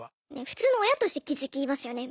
普通の親として気付きますよね。